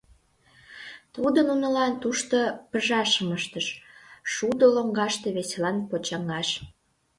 Тудо нунылан тушто пыжашым ыштыш, шудоо лоҥгаште веселан почаҥаш.